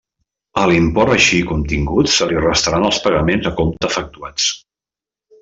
A l'import així obtingut se li restaran els pagaments a compte efectuats.